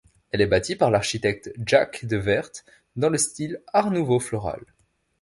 Elle est bâtie par l'architecte Jacques De Weerdt dans le style Art nouveau floral.